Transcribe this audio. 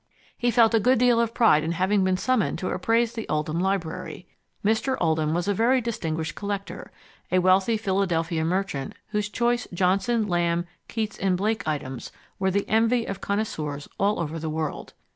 He felt a good deal of pride in having been summoned to appraise the Oldham library. Mr. Oldham was a very distinguished collector, a wealthy Philadelphia merchant whose choice Johnson, Lamb, Keats, and Blake items were the envy of connoisseurs all over the world.